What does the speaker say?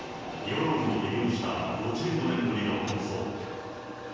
世論を二分した５５年ぶりの国葬。